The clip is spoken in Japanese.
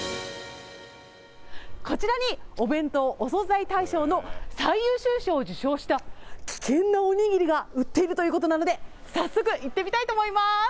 こちらに、お弁当・お惣菜大賞の最優秀賞を受賞した危険なおにぎりが売っているということなので、早速行ってみたいと思います。